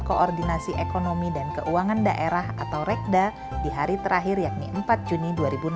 koordinasi ekonomi dan keuangan daerah atau rekda di hari terakhir yakni empat juni dua ribu enam belas